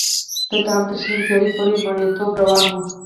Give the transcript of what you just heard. دلته هم تر شلمې پېړۍ پورې مریتوب روان و.